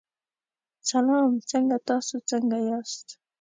سلام څنګه تاسو څنګه یاست.